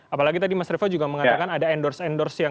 apalagi tadi mas revo juga mengatakan ada endorse endorse yang